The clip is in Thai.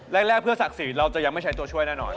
แรกเพื่อศักดิ์ศรีเราจะยังไม่ใช้ตัวช่วยแน่นอน